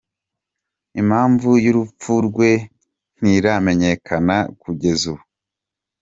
Impamvu y’urupfu rwe ntiramenyekana kugeza ubu.